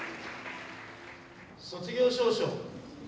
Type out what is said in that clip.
「卒業証書」。